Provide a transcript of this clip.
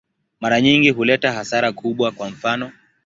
Mara nyingi huleta hasara kubwa, kwa mfano.